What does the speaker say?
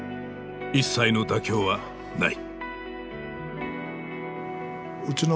一切の妥協はない。